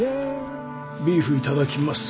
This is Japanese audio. ビーフいただきます！